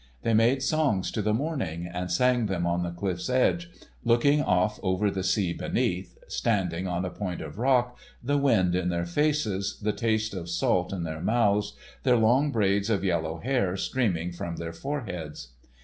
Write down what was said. They made songs to the morning, and sang them on the cliff's edge, looking off over the sea beneath, standing on a point of rock, the wind in their faces, the taste of salt in their mouths, their long braids of yellow hair streaming from their foreheads.